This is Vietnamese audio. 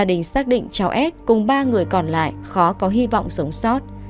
ít cùng ba người còn lại khó có hy vọng sống sót